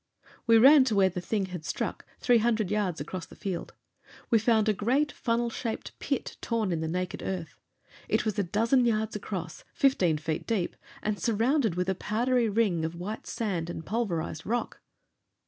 We ran to where the thing had struck, three hundred yards across the field. We found a great funnel shaped pit torn in the naked earth. It was a dozen yards across, fifteen feet deep, and surrounded with a powdery ring of white sand and pulverized rock.